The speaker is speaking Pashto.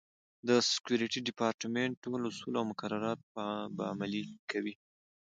د سکورټي ډیپارټمنټ ټول اصول او مقررات به عملي کوي.